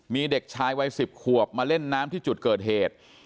มีเด็กชายวัย๑๐ขวบมาเล่นน้ำที่จุดเกิดเหตุ